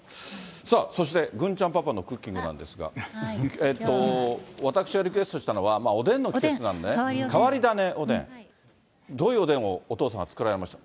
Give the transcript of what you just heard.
さあ、そして郡ちゃんパパのクッキングなんですが、私がリクエストしたのは、おでんの季節なので、変わり種おでん、どういうおでんを、お父さんが作られましたか？